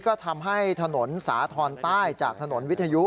ก็ทำให้ถนนสาธรณ์ใต้จากถนนวิทยุ